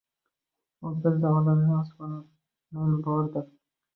U bildi: olamda osmonlar bordir